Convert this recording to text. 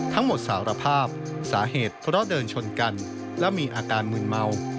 สารภาพสาเหตุเพราะเดินชนกันและมีอาการมืนเมา